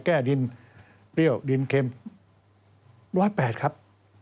แก้ดินเปรี้ยวดินเค็ม๑๐๘ครับ